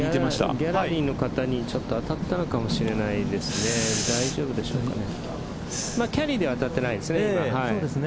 ギャラリーの方にちょっと当たったのかもしれないですね。